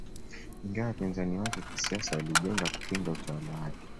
Ingawa wapinzani wake kisiasa walijenga kupinga utawala wake